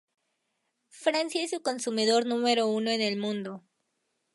Francia es su consumidor número uno en el mundo.